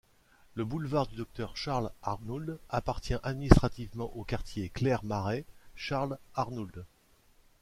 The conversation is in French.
Le Boulevard du docteur Charles-Arnould appartient administrativement au Quartier Clairmarais - Charles Arnould.